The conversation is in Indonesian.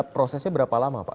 prosesnya berapa lama pak